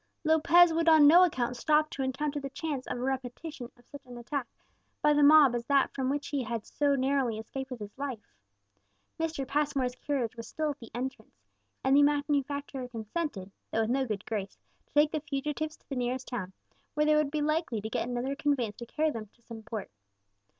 Lopez would on no account stop to encounter the chance of a repetition of such an attack by the mob as that from which he had so narrowly escaped with life. Mr. Passmore's carriage was still at the entrance, and the manufacturer consented, though with no good grace, to take the fugitives to the nearest town, where they would be likely to get another conveyance to carry them to some port.